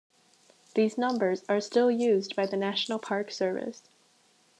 These numbers are still used by the National Park Service.